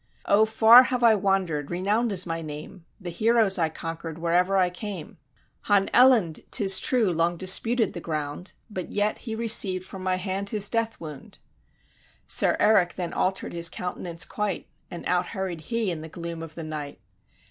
"O far have I wander'd, renown'd is my name, The heroes I conquer'd wherever I came: "Han Elland, 't is true, long disputed the ground, But yet he receiv'd from my hand his death wound." Sir Erik then alter'd his countenance quite, And out hurried he, in the gloom of the night.